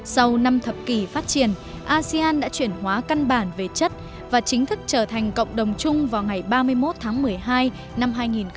sau năm thập kỷ phát triển asean đã chuyển hóa căn bản về chất và chính thức trở thành cộng đồng chung vào ngày ba mươi một tháng một mươi hai năm hai nghìn hai mươi